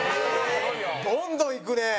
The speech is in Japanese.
どんどんいくね。